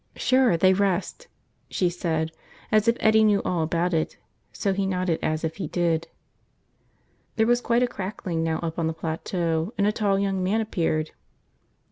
"Sure, they rust," she said as if Eddie knew all about it; so he nodded as if he did. There was quite a crackling now up on the plateau and a tall young man appeared.